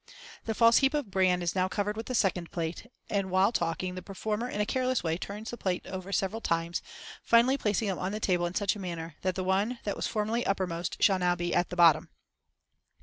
The false heap of bran is now covered with the second plate, and while talking the performer, in a careless way, turns the plates over several times, finally placing them on the table in such a manner that the one that was formerly uppermost shall now be at the bottom.